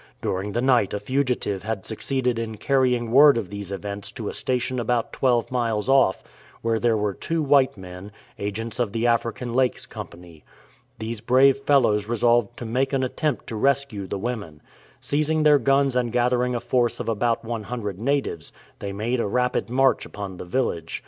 During the night a fugitive had succeeded in carrying word of these events to a station about twelve miles off, where there were two white men, agents of the African Lakes Company. These brave fellows resolved to make an attempt to rescue the women. Seizing their guns and gathering a force of about 100 natives, they made a rapid march upon the village.